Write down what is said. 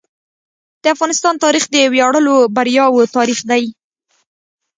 د افغانستان تاریخ د ویاړلو بریاوو تاریخ دی.